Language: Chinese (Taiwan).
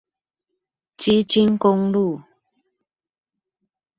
基金公路